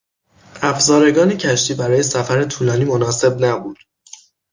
افزارگان کشتی برای سفر طولانی مناسب نبود.